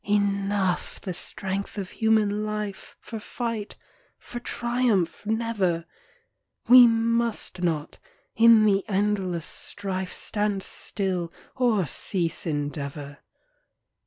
Enough the strength of human life, For fight â ^for triumph, never! We must not, in the endless strife, Stand still, or cease endeavour.